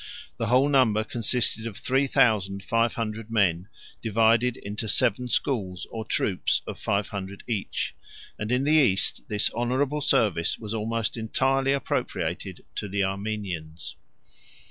The whole number consisted of three thousand five hundred men, divided into seven schools, or troops, of five hundred each; and in the East, this honorable service was almost entirely appropriated to the Armenians.